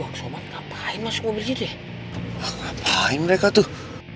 nah apaan mereka tuh